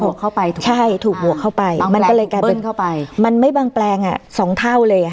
ก็เลยถูกหัวเข้าไปถูกใช่ถูกหัวเข้าไปบางแปลงถูกเบิ้ลเข้าไปมันก็เลยกลายเป็นมันไม่บางแปลงอ่ะสองเท่าเลยอ่ะ